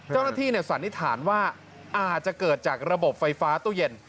เจ้าหน้าที่สันนิษฐานว่าอาจจะเกิดจากระบบไฟฟ้าตู้เย็น